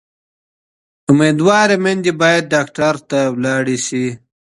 امیندواره میندې باید ډاکټر ته لاړې شي.